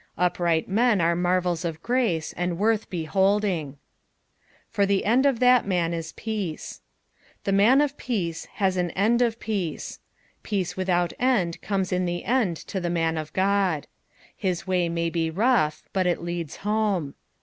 Upright men are marvels of grace, and woith beholding. '* For the end ^ thai man ie peaix." The man of peace has an end of peace. Peace without end comes in the end to the man of God. Hie way may berouBb, but it leads home.